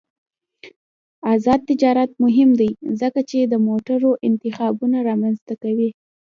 آزاد تجارت مهم دی ځکه چې د موټرو انتخابونه رامنځته کوي.